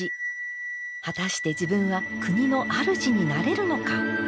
果たして自分は国のあるじになれるのか。